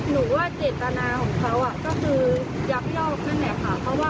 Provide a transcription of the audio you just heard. ที่คุยกันเมื่อกี้ก็คือเขาก็ยอมรับอยู่นะคะว่าเขาพลาดแต่ว่าเรื่องบองเรื่องอะไรอย่างเงี้ยค่ะก็เป็นให้เป็นตามควรหมายต่อไปอ่ะค่ะ